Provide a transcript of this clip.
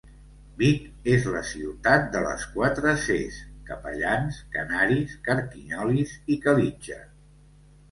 Vic és la ciutat de les quatre ces: capellans, canaris, carquinyolis i calitja.